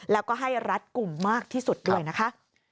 แล้วก็ให้รัดกลุ่มมากที่สุดด้วยนะคะ